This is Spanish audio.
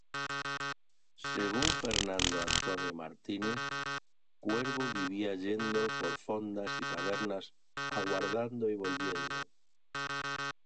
Según Fernando A. Martínez, Cuervo vivía yendo por fondas y tabernas aguardando y volviendo.